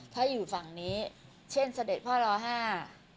ถ้าอยู่ฝั่งนี้เช่นเสด็จพ่อรอห้า